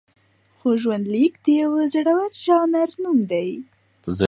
خو ژوندلیک د یوه زړور ژانر نوم دی.